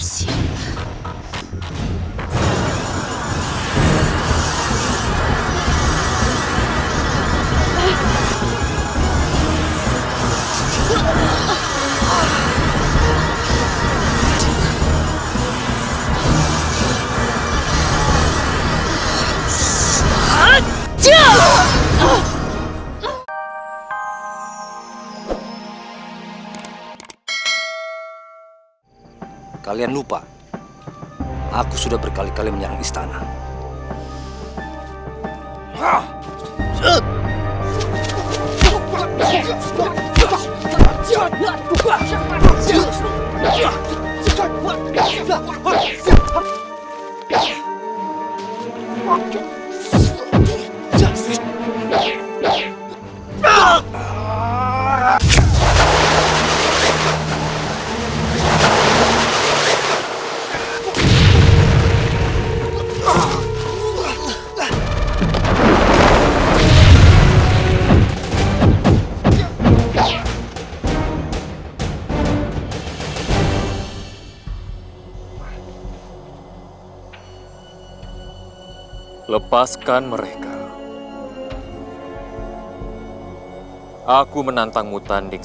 sampai jumpa di video selanjutnya